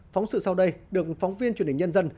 phóng sự sau đây được phóng viên truyền hình nhân dân